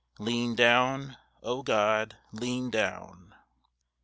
Lean down, O God, lean down!